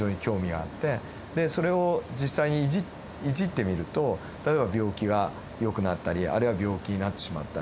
それを実際にいじってみると例えば病気がよくなったりあるいは病気になってしまったり。